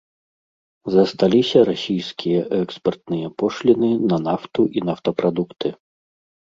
Засталіся расійскія экспартныя пошліны на нафту і нафтапрадукты.